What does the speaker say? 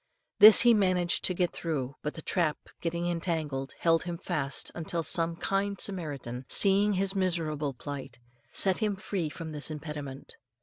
This he managed to get through, but the trap getting entangled, held him fast until some kind Samaritan, seeing his miserable plight, set him free from this impediment.